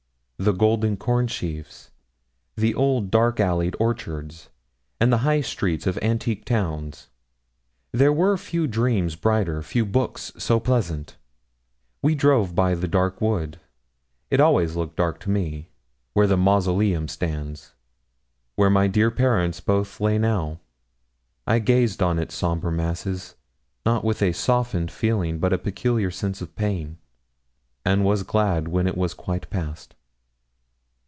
The golden corn sheafs the old dark alleyed orchards, and the high streets of antique towns. There were few dreams brighter, few books so pleasant. We drove by the dark wood it always looked dark to me where the 'mausoleum' stands where my dear parents both lay now. I gazed on its sombre masses not with a softened feeling, but a peculiar sense of pain, and was glad when it was quite past.